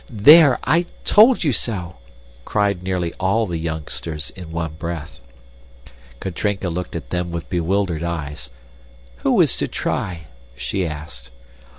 "THERE! I told you so!" cried nearly all the youngsters in one breath. Katrinka looked at them with bewildered eyes. "Who is to try?" she asked.